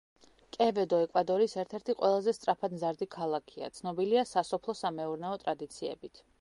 კევედო ეკვადორის ერთ-ერთი ყველაზე სწრაფად მზარდი ქალაქია; ცნობილია სასოფლო-სამეურნეო ტრადიციებით.